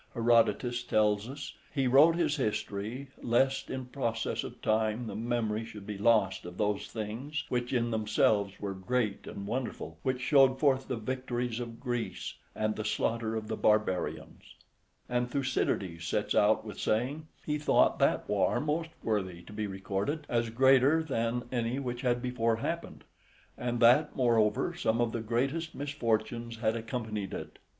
Herodotus tells us, "he wrote his history, lest in process of time the memory should be lost of those things which in themselves were great and wonderful, which showed forth the victories of Greece, and the slaughter of the barbarians;" and Thucydides sets out with saying, "he thought that war most worthy to be recorded, as greater than any which had before happened; and that, moreover, some of the greatest misfortunes had accompanied it."